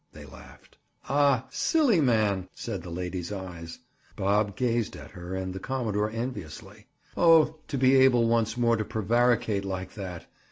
They laughed. "Ah, silly man!" said the lady's eyes. Bob gazed at her and the commodore enviously. Oh, to be able once more to prevaricate like that!